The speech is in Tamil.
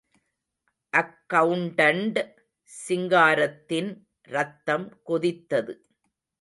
அக்கெளண்டண்ட் சிங்காரத்தின், ரத்தம் கொதித்தது.